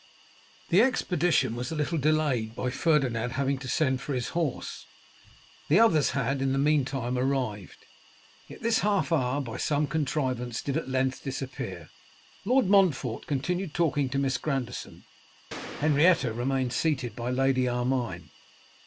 The expedition was a little delayed by Ferdinand having to send for his horse; the others had, in the meantime, arrived. Yet this half hour, by some contrivance, did at length disappear. Lord Montfort continued talking to Miss Grandison. Henrietta remained seated by Lady Armine.